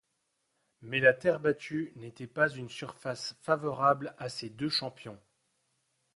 Mais la terre battue n'était pas une surface favorable à ces deux champions.